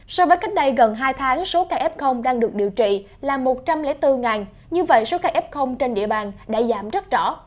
so với cách đây gần hai tháng số ca f đang được điều trị là một trăm linh bốn như vậy số ca f trên địa bàn đã giảm rất rõ